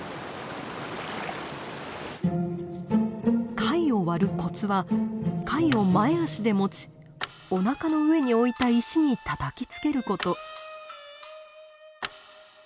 貝を割るコツは貝を前足で持ちおなかの上に置いた石にたたきつけること。